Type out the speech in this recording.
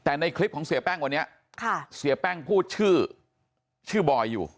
แต่ในคลิปของเสียแป้งวันนี้เสียแป้งพูดชื่อชื่อบอยอยู่